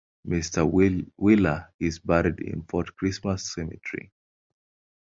Mr Wheeler is buried in the Fort Christmas Cemetery.